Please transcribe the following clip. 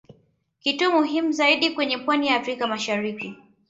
Kituo muhimu zaidi kwenye pwani ya Afrika mashariki